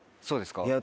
そうですか？